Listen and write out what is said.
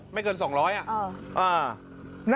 ไม่เกิน๒๐๐อ่ะ